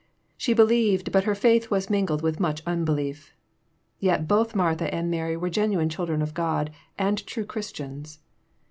She believed, but her faith was mingled with much unbelief. Yet both Martha and Mary were genuine children of God, and true Christians.